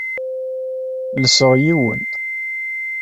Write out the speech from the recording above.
Llseɣ yiwen.